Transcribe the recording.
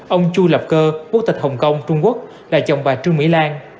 ông chu lập cơ quốc tịch hồng kông trung quốc là chồng bà trương mỹ lan